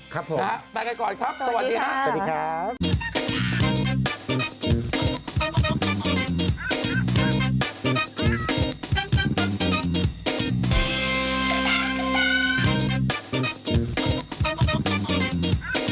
ครับผมสวัสดีครับไปกันก่อนครับสวัสดีครับสวัสดีครับสวัสดีครับ